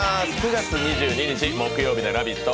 ９月２２日木曜日の「ラヴィット！」